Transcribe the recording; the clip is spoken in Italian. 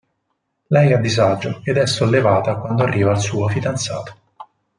Lei è a disagio ed è sollevata quando arriva il suo fidanzato.